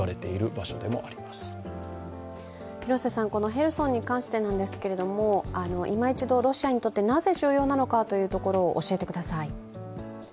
ヘルソンに関してですけれども、ロシアにとってなぜ、重要なのかというところを教えてください。